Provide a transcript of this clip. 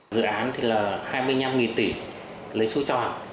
dự án thì là hai mươi năm tỷ lấy số tròn